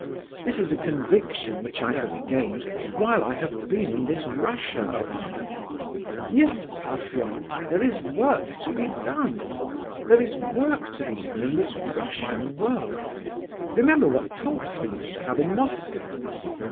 This is a conviction which I have gained while I have been in this Russia of ours. Yes, Parfen! there is work to be done; there is work to be done in this Russian world! Remember what talks we used to have in Moscow!